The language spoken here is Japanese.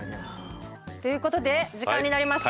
ということで時間になりました。